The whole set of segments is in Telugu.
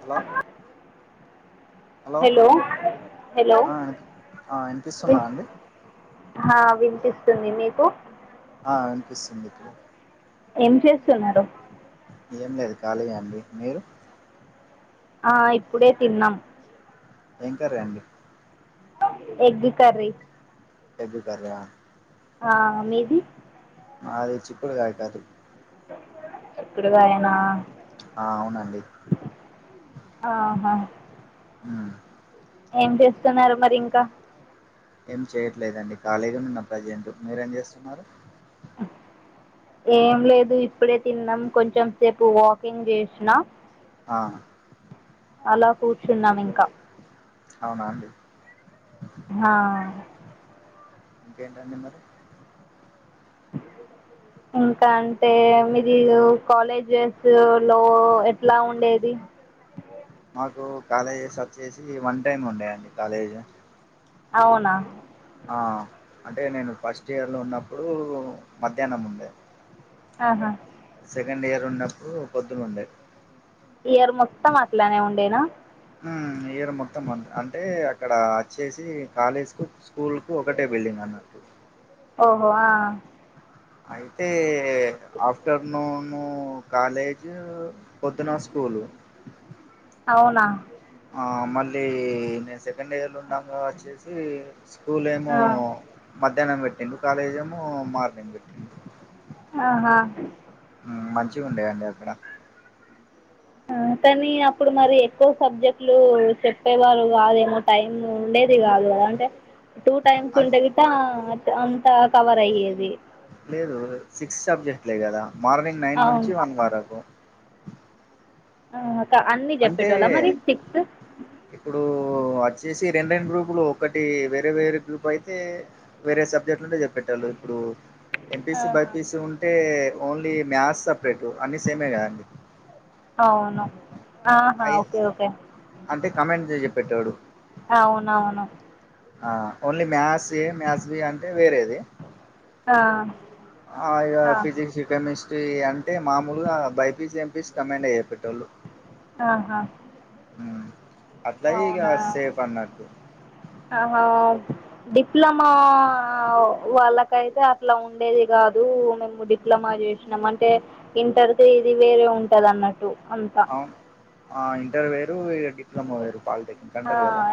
హలో హలో హలో ఆ వినిపి- ఆ వినిపిస్తుందా అండి హా వినిపిస్తుంది మీకు ఆ వినిపిస్తుంది ఇప్పుడు ఏం చేస్తున్నారు ఏం లేదు కాలీయే అండి మీరు ఆ ఇప్పుడే తిన్నాం ఏం కర్రీ అండి ఎగ్గ్ కర్రీ ఎగ్గు కర్రీయా ఆ మీది మాది చిక్కుడు కాయ కర్రీ చిక్కడుగాయనా ఆ అవునండి ఆహా. మ్మ్ ఏం చేస్తున్నారు మరి ఇంకా ఏం చేయట్లేదండి ఖాళీగా నిన్న ప్రజెంట్ మీరేం జేస్తున్నారు ఏం లేదు ఇప్పుడే తిన్నాం కొంచెం సేపు వాకింగ్ చేసినా ఆ అలా కూర్చున్నాం ఇంకా అవునా అండి ఆ ఇంకేంటండి మరి [unintelligible] ఇంకా అంటే మీరు కాలేజెస్ లో ఎట్లా ఉండేది [unintelligible] కు కాలేజెస్ వచ్చేసి వన్ టైమ్ ఉండయండి కాలేజీ అవునా అంటే నేను ఫస్ట్ ఇయర్లో ఉన్నప్పుడు మధ్యాహ్నం ఉండే ఆహా సెకండ్ ఇయర్ ఉన్నప్పుడు పొద్దున ఉండే ఇయర్ మొత్తం అట్లానే ఉండేనా ఇయర్ మొత్తం అ అంటే అక్కడ వచ్చేసి కాలేజ్ కు స్కూల్ కు ఒకటే బిల్డింగ్ అన్నట్టు ఓహో ఆ అయితే ఆఫ్టర్నూన్ కాలేజ్ పొద్దున స్కూల్ స్కూలు అవునా మళ్ళీ నేను సెకండ్ ఇయర్లో ఉన్నాగా వచ్చేసి స్కూల్ ఏమో ఆ మధ్యాహ్నం పెట్టిండు కాలేజ్ ఏమో మార్నింగ్ పెట్టిండు ఆహా మంచివి ఉండేయండి అక్కడ [unintelligible] కానీ అప్పుడు మరి ఎక్కువ సబ్జెక్టులు చెప్పేవారు కాదేమో టైం ఉండేది కాదు అంటే టూ టైమ్స్ అంటే ఉంటే కట అంతా కవర్ అయ్యేది లేదు సిక్స్ సబ్జెట్లేదు కదా మార్నింగ్ నైన్ అవును నుంచి వన్ వరకు [unintelligible] ఆ అంటే ఇప్పుడు వచ్చేసి రెండు రెండు గ్రూపులు ఒకటి వేరే వేరే గ్రూప్ అయితే వేరే సబ్జెక్ట్ ఉంటే చెపెట్టి ఇప్పుడు ఎంపీసి ఆహా బైపీసి ఉంటే ఓన్లీ మ్యాథ్స్ అ అన్ని సేమే కదాండి అవును ఆహా అయి ఓకే ఓకే అంటే కామెంట్ చె పెట్టాడు అవునవును ఆ only math A maths B అంటే వేరేది ఆ ఆ ఫిజక్స్ కెమిస్ట్రీ అంటే మామూలుగా బైపీస్ ఎంపీస్ కమాండ్ అయ్య పెట్టేళ్ళు ఆహా అట్లా ఇగ అవునా సేఫ్ అన్నట్టు ఆహ డిప్లొమా వాళ్ళకయితే అట్లా ఉండేది కాదు మేము డిప్ లమా చేసినాం అంటే ఇంటర్కి ఇది వేరే ఉంటది అన్నట్టు అంతా అవును ఇంటర్ ఇగ డిప్లొమా వేరు పాలిటెక్నిక్ అంటారు కదా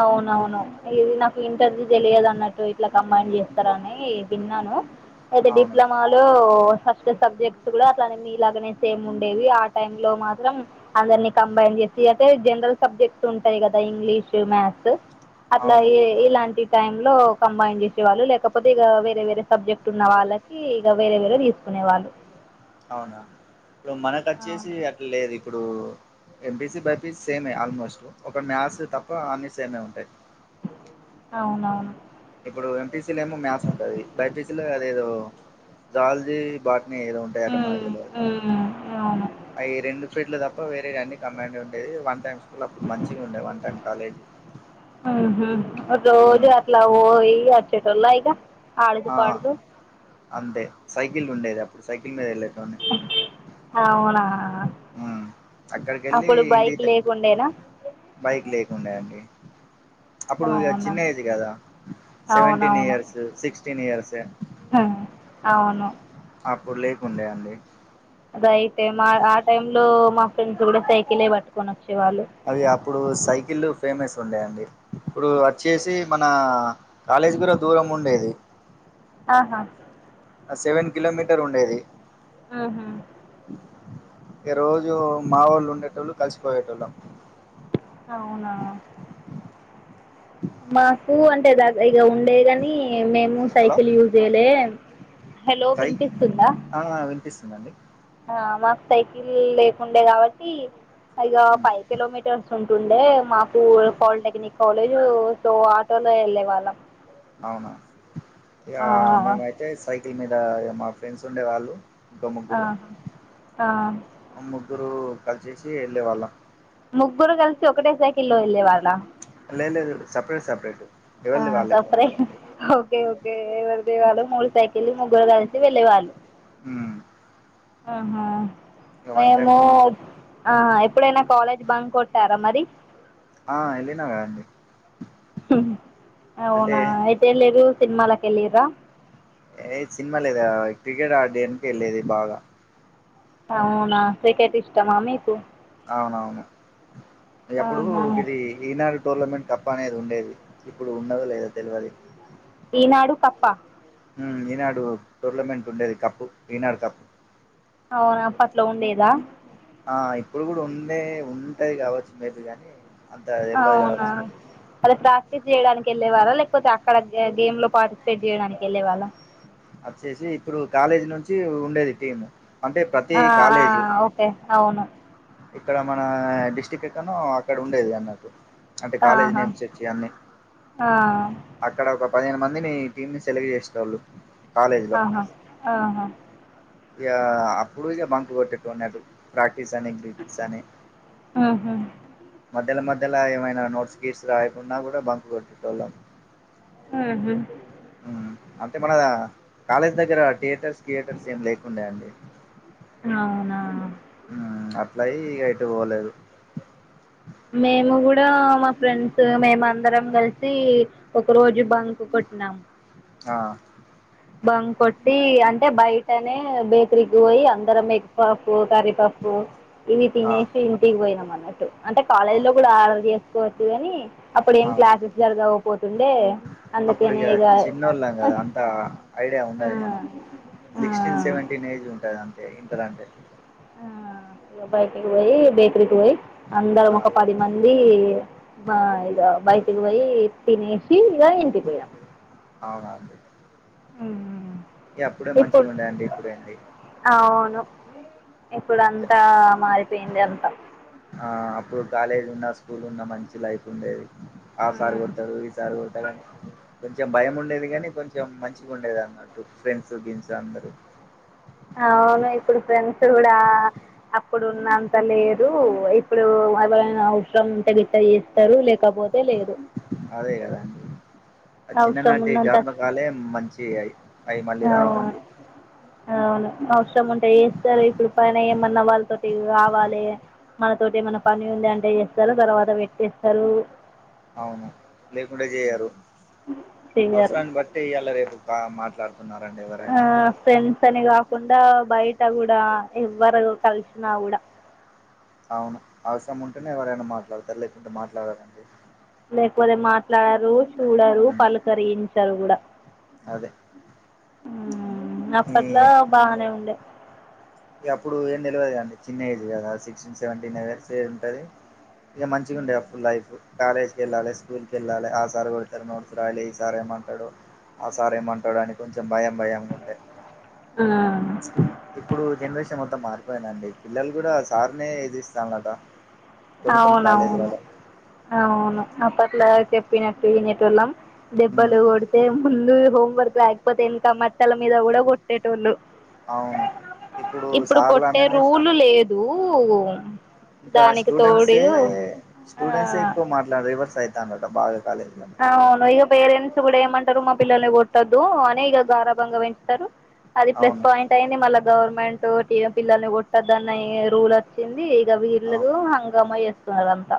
అవునవును ఇది నా ఇంటర్వూ తెలియదు అన్నట్టు ఇట్లా కంబైన్ చేస్తారని తిన్నాను అయితే అవును డిప్లమాలో ఫస్ట్ సబ్జెక్ట్ కూడా అట్లానే మీలాగనే సేమ్ ఉండేవి ఆ టై లో మాత్రం అందరిని కంబైన్ చేసి యితే జనరల్ సబ్జెక్ట్స్ ఉంటాయి కదా ఇంగ్లీషు మ్యాథ్స్ అట్లా అవును ఇలాంటి టైమ్ లో కంబైన్ చేస్త వాళ్ళు లేకపోతే ఇక వేరే వేరే సబ్జెక్ట్ ఉన్న వాళ్ళకి ఇక వేరే వేరే తీసుకునే వాళ్ళు అవునా ఇప్పుడు మనకు వచ్చేసి అట్లా లేదు ఇప్పుడు ఎంపీసి బైపీసి సేమ్ ఆల్మోస్ట్ ఒక మ్యాథ్స్ తప్ప అన్నీ సేమే ఉంటాయి అవునవును ఇప్పుడు ఎంపీసీలో ఏమో మ్యాథ్స్ ఉంటుంది బైపీసీలో అదేదో జాలజీ బాటనీ అని ఏద ఉంటాయట మాకు ఉమ్, తెలువదు ఉమ్, అవును అవి రెండు ప్రేడ్లు తప్ప ఇ వేరే అన్ని కమాండ్ ఉంటాయి వన్ టైమ్ స్కూల్ అప్పుడు మంచిగా ఉండే వన్ టైమ్ కాలేజీ రోజ ఉమ్, అట్లా వోయి అచ్చే తొల ఇగ ఆ అంతే సైకిల్ ఉండేది అప్పుడు సైకిల్ మీద వెళ్ళే టోలాం అవునా ఉమ్ అక్కడికి వెళ్ళి అప్పుడు బైక్ ఇంటికి త- లేకుండేనా బైక్ లేకుండి అండి అప్పుడు ఇక అవునా చిన్న ఏజ్ కదా సెవెన్ంటీన్ అవునవును ఇయర్స్ సిక్స్టీన్ ఇయర్స్ హ, అవును అప్పుడు లేకుండేయండి అద అయితే మా ఆ టైమ్ లో మా ఫ్రెండ్స్ కూడా సైకిలే పట్టుకొని వచ్చు అవి అప్పుడు సైకిల్ ఫేమస్ ఉండే అండి ఇప్పుడు వచ్చేసి మన కాలేజీ కూడా దూరం ఉండేది ఆహా ఆ సెవెన్ కిలోమీటర్ ఉండేది ఆహా ఏ రోజు మా వోళ్ళు ఉండేటోళ్ళు కలిసి పోయేటోల్లం అవునా మాకు అంటే ద ఇక ఉండే గాని మేము హలో సైకిల్ యూజ్ చేయలే హలో సైకి వినిపిస్తుందా ఆ వినిపిస్తుందండి ఆ మాకు సైకిల్ లేకుండే కాబట్టి ఇగ ఉమ్, ఫైవ్ కిలోమీటర్స్ ఉంటు డే మాకు పాలిటెక్నిక్ కాలేజ్ సో ఆటోలో వెళ్ళే వాళ్ళం అవునా ఇక ఆ, మేమైతే సైకిల్ మీద మా ఫ్రెండ్స్ ఉండే వాళ్ళు ఆ ఆ ఆ ముగ్గురు కలిసేసి వెళ్ళే వాళ్ళం ముగ్గురు కలిసి ఒకటే సైకిల్లో వెళ్ళే వాళ్ళ లేదు లేదు సెపరేటు సెపరేటు ఆ సెపరేట్ ఓకే ఒకే ఎవరి ది వాళ్ళు మూడు సైకిలు ముగ్గురు కలిసి వెళ్ళేవాళ్ళు హ్మ్ ఆహా మేము ఆహా ఎప్పుడైనా కాలేజ్ బంకొట్టారా మరి ఆ ఏలినా కద అండి అవునా అయితే వెళ్లిరు సినిమాలకు వెళ్లిరా ఏ సినిమా లేదా క్రికెట్ ఆడడానికి వెళ్ళేది బాగా అవునా క్రికెట్ ఇష్టమా మీకు అవునవును ఎప్పుడు ఆహా ఇది ఈనాడు టోర్నమెంట్ తప్ప అనేది ఉండేది ఇప్పుడు ఉన్నది లేదో తెలువదు ఈనాడు కప్ప ఈనాడు టోర్నమెంట్ ఉండేది కప్పు ఈనాడు కప్పు అవున అప్పట్లో ఉండేదా ఆ ఇప్పుడు కూడా ఉంది ఉంటది కావచ్చు మే బి కానీ అంత తెలవదు అవునా కావచ్చు అది ప్రాక్టీస్ చేయడానికి వెళ్ళే వాళ్ళా లేకపోతే అక్కడ గేమ్ లో పార్టిసిపేట్ చేయడానికి వెళ్ళే వాళ్ళ అచ్చేసి ఇప్పుడు కాలేజీ నుంచి ఉండేది టీము అంటే ప్రతి అ కాలేజ్ ఆ ఓకే అవును ఇక్కడ మన డిస్టిక్ట్ ఎక్కడనో అక్కడ ఉండేది అన్నట్టు అంటే కాలేజీ ఆహా నేమ్స్ వచ్చివన్నీ ఆ అక్కడ ఒక పదిహేను మందినీ టీమ్ని సెలెక్ట్ చేసెటోళ్ళు ఆహా ఆహా యా అప్పుడు ఇగ బంకు కొట్టేటోన్ని అటు ప్రాక్ [unintelligible] ఉహు మద్యల మధ్య మద్యాలా ఏమైనా నోట్స్ గీస్ రాయకుండా కూడా బంక్ కొట్టేటోళ్ళం ఆహా మ్ అంటే మన కాలేజ్ దగ్గర థియేటర్స్ కియేటర్స్ ఏమి లేకుండ అండి అవునా హు అట్లాయి ఎటు పోలేదు మేము కూడా మా ఫ్రెండ్స్ మేము అందరం కలిసి ఒక రోజు బంక్ కొట్టినా నామ్ ఆ బంక్ కొట్టి అంటే బయటనే బేకరీకి పోయి అందరం ఎగ్ పప్ కర్రి పప్పు ఓ ఇవి ఆ తినేసి ఇంటికి పోయినాం అన్నట్టు అంటే కాలేజ్ అవు లో కూడా ఆర్డర్ చేసుకోవచ్చు కానీ అప్పుడు ఏం ఆ క్లాసెస్ జరగవు అప్పుడు ఇగ చిన్నోళ్ళం ఆ కదా అంతా ఐడియా ఉండదు మనకు ఆ సిక్స్టీన్ సెవెంటీన్ ఏజ్ ఉంటది అంటే ఇంటర్ అంటే ఆ ఇగ బయటికి పోయి బేకరీకి పోయి అందరం ఆ ఒక పది మంది బ ఇగ బయటికి పోయి తినేసి ఇక ఇంటికి పోయాం అవునా అండి ఊ ఇగ అప్పుడే ఇప్పుడు మంచిగుండే అండి ఇప్పుడేంటి అవును ఇప్పుడ చ అంతా మారిపోయింది అంతా అప్పుడు కాలేజ్ ఉన్న స్కూల్ ఉన్న మంచి లైఫ్ ఉండేది ఆ సార్ కొడతడు ఈ సార్ కొడతడు కొంచెం భయం ఉండేది గానీ కొంచెం మంచిగా ఉండేది అన్నట్టు ఫ్రెండ్స్ గిన్స్ అందరు అవును ఇప్పుడు ఫ్రెండ్స్ కూడా అప్పుడున్న అంత లేదు ఇప్పుడు ఎవరైనా అవసరం ఉంటే గిట్ట చేస్తారు లేకపోతే పోతే లేదు అదే కదా అండి అవసరం చిన్ననాటి ఉన్నంత జ్ఞాపకాలే మంచి అయి అవి మళ్ళీ అవును రావండి అవును అవసరం ఉంటాయి ఏస్తారు ఇప్పుడు పైన ఏమన్నా వాళ్ళతోటి రావాలి మనతోటి ఏమైనా పని ఉంది అంటే చేస్తారు తర్వాత పెట్టేస్తారు అవును లేకుంటె చేయరు చెయ్యరు అవసరాన్ని బట్టి ఇయ్యాలా రేపు బ మాట్లారు ఆ ఫ్రెండ్స్ అనీ కా కుండా బయట కూడా ఎవ్వరు కలిసినా కూడా అవును అవసరం ఉంటేనే ఎవరైనా మాట్లాడతారు లేకుంటే మాట్లాడారూ అండి లేకపోతే మాట్లాడరు చూడరు పలుకరించారు కూడా అదే మ్మ్ అప్పట్లో బానే ఉండే ఇగ అప్పుడు ఏం తేలవదు కదండి చిన్న ఏజ్ కదా sixteen seventeen hours years age ఉంటది ఇగ మంచిగా ఉండే అప్పుడు లైఫ్ కాలేజ్ కి వెళ్ళాలి స్కూల్ క వెళ్ళాలి ఆ సార్ కొడతారు నోర్స్ రాయాలే ఈ సార్ ఏమంటాడో ఆ సార్ ఏమంటాడో అని కొంచెం భయం భయంగా ఉండే ఆ ఇప్పుడు జనరేషన్ మొత్తం మారిపోయిన అండి పిల్లలు కూడా సార్నే ఎదిరిఇస్తారన్నరట అవునవును అవును అప్పట్ల చెప్పినట్ట వినేటోళ్ళం వాళ్ళం ఉమ్ దెబ్బలు కొడితే ముందు హోమ్ వర్క్రాయకపోతే ఇంకా మట్టల మీద కూడా కొట్టేటోళ్ళు. అవును ఇప్పుడు సార్లు కొట్టే అననే స్టు- రూలు లేదు. ఇంకా దానికి తోడు స్టూడెంట్సే స్టూడెంట్సే ఆ ఎక్కువ మాట్లాడి రివర్స్ అయితాన్నారట. అవును ఇంకా పేరెంట్స్ కూడ ఏం అంట మా పిల్లల్ని కొట్టొద్దు అని ఇక గారభంగా పెంచుతారు. అది ప్లస్ అవును పాయింట్ అయింది. మళ్ళా గవర్నమెంటు పిల్లల్ని కొట్టదునే రూల్ వచ్చింది. ఇక అవు వీళ్లూరు హంగామేస్తుంది వాళ్లంతా.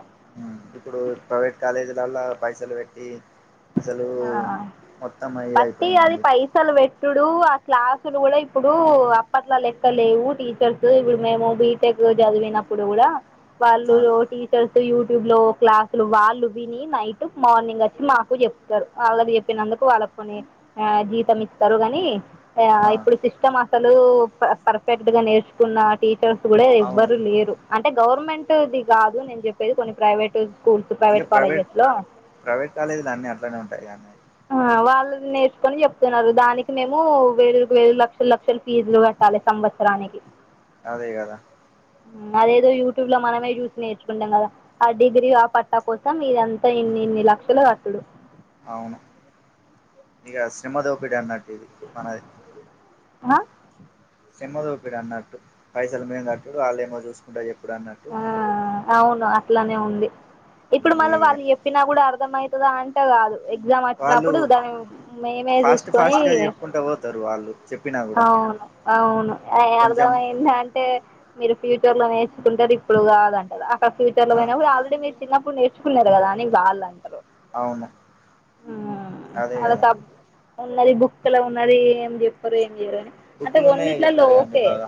ఇప్పుడు ప్రైవేట్ కాలేజీలలో పైసలు పెట్టి అసలు ఆ మొత్తం ఇది పట్టి అది అయిపోయిందండి పైసలు పెట్టుడు క్లాసులు కూడా ఇప్పుడు అప్పట్లా లెక్క లేవు టీచర్స్ ఇప్పుడు మేము బీటెక్ చదివిన ప్పుడు కూడా వాళ్ళు ఆ టీచర్స్ యూట్యూబ్ లో క్లాస్ అసలు వాళ్ళు విని నైట్ మార్నింగ్ వచ్చి మాకు చెప్ వాళ్ళు చెప్పినందుకు వాళ్ళ కు ఆ జీతం ఇస్తారు కాని ఆ ఇప్పుడు సిస్టమ్ అసలు పర్ఫెక్ట్ గా నేర్చుకున్న టీ కూడా అవును ఎవ్వరు లేరు అంటే గవర్నమెంటుది కాదు నేను చెప్పేది కొన్ని ప్రైవేట్ స్కూల్స్, ప్రైవేట్ కాలేజెస్ లో ప్రైవేట్ కాలేజీలు అన్నీ అట్లనే ఉంటాయి కానీ కని చెప్తున్నారు దానికి మేము వేలుకు వేలు లక్షలు లక్షల ఫీజులు కట్టాలి సంవత్సరానికి. అదే కదా అదేదో యూట్యూబ్ లో మనమే చూసి నేర్చుకుంటాం కదా, ఆ డిగ్రీ ఆ పట్టా కోసం ఇదంతా ఇన్ని. ఇన్ని లక్షల కట్టుడు అవును ఇక శ్రమ దోపిడి అన్నట్టు. ది మనది శ్రమ దోపిడి అన్నట్టు పైసలు మేము కట్టుడు వాళ్ళు ఏమో చూసుకుంట చెప్పుడు. అన్నట్టు ఆ అవును అట్లనే ఉంది. ఇప్పుడు మళ్ళీ ఇగ వాళ్ళు చెప్పినా కూడా అర్థమయి దా అంటె కాదు ఎగ్జామ్ వాళ్ళు వచ్చినప్పుడు దాన్ని మేమే ఫాస్ట్ చూసుకొని ఫాస్ట్ గా చెప్పుకుంటా పోతారు వాళ్ళు చెప్పినా కూడా అవును అవును కొంచెం అర్థమయిందా అంటే మీరు ఫ్యూచర్ లో నేర్చుకుంటారు ఇప్పుడు కాదంటారు. అక్కడ ఫ్యూచర్ లో ఆ పోయినా కూడా ఆల్రెడీ నేర్చు చిన్నప్పుడు నేర్చుకున్నారు కదా అని బాధా అంతే అవును అదే అదే అది బుక్స్ లో ఉన్నది ఏం చెప్పరే అట్లా బుక్కులు ఉన్నాయా కొన్నిట్ల లో చెప్తారు కదండి ఓకే బాగా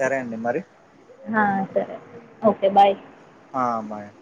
సరే అండి మరి సరే ఓకే బాయ్ ఆ బాయ్ అండి.